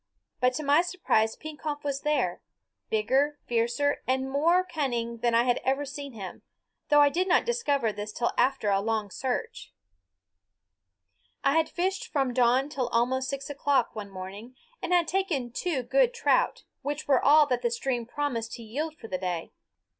But to my surprise Pekompf was there, bigger, fiercer, and more cunning than I had ever seen him; though I did not discover this till after a long search. I had fished from dawn till almost six o'clock, one morning, and had taken two good trout, which were all that the stream promised to yield for the day.